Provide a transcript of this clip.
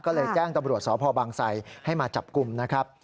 ก็เลยแจ้งตำรวจสพบางไซให้มาจับกลุ่มนะครับ